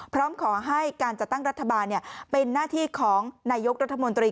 พร้อมขอให้การจัดตั้งรัฐบาลเป็นหน้าที่ของนายกรัฐมนตรี